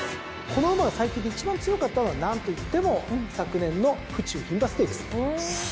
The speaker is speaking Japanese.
この馬が最近で一番強かったのは何といっても昨年の府中牝馬ステークス。